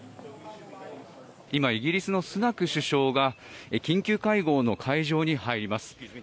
今、イギリスのスナク首相が、緊急会合の会場に入ります。